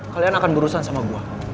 kalian akan berurusan sama gue